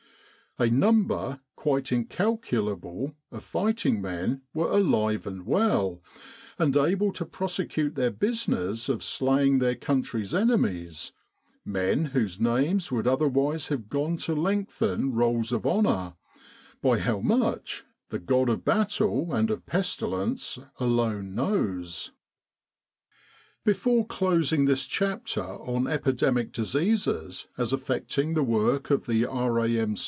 A number, quite incalculable, of fighting men were alive and well, and able to prosecute their business of slaying their country's enemies men whose names would other wise have gone to lengthen Rolls of Honour, by how much the God of Battle and of Pestilence alone knows. Before closing this chaptet on epidemic diseases as affecting the work of the R.A.M.